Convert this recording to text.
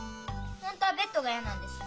本当はベッドが嫌なんです。